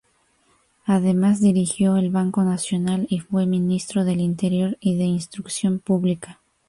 Además dirigió el Banco Nacional y fue ministro del interior y de instrucción pública.